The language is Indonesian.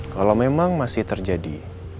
kalau memang masih terjadi